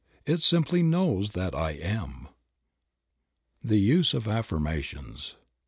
It simply knows that I am. THE USE OF AFFIRMATIONS.